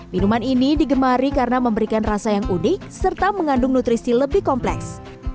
minuman ini digemari karena memberikan rasa yang unik serta mengandung nutrisi lebih kompleks